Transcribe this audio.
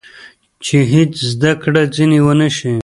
چې هېڅ زده کړه ځینې ونه شي.